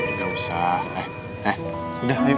nggak usah eh eh udah